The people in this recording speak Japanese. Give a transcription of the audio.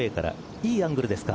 いいアングルですか。